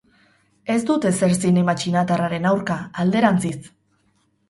Ez dut ezer zinema txinatarraren aurka, alderantziz.